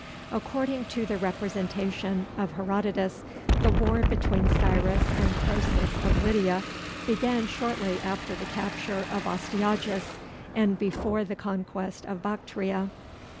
According to the representation of Herodotus, the war between Cyrus and Croesus of Lydia began shortly after the capture of Astyages, and before the conquest of Bactria.